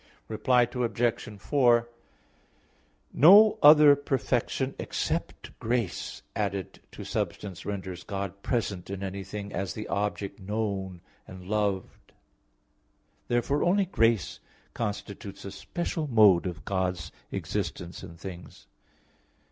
Reply Obj. 4: No other perfection, except grace, added to substance, renders God present in anything as the object known and loved; therefore only grace constitutes a special mode of God's existence in things.